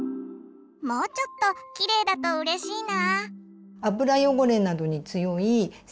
もうちょっとキレイだとうれしいな。